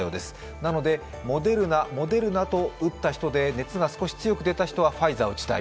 なので、モデルナ、モデルナと打った人で熱が少し強く出た人はファイザーを打ちたい。